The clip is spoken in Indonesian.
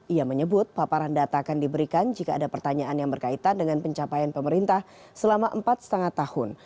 ia menyebut paparan data akan diberikan jika ada pertanyaan yang berkaitan dengan pencapaian pemerintah selama empat lima tahun